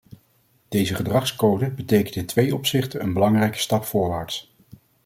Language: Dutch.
Deze gedragscode betekent in twee opzichten een belangrijke stap voorwaarts.